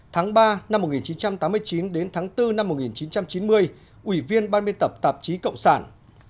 tháng ba năm một nghìn chín trăm tám mươi chín đến tháng bốn năm một nghìn chín trăm chín mươi ủy viên ban biên tập tạp chí cộng sản